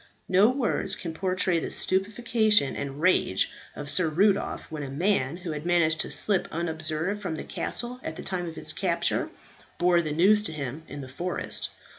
No words can portray the stupefaction and rage of Sir Rudolph when a man who had managed to slip unobserved from the castle at the time of its capture, bore the news to him in the forest.